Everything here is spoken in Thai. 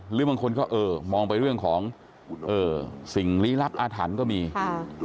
หรือบางคนก็เออมองไปเรื่องของเออสิ่งลี้ลับอาถรรพ์ก็มีค่ะ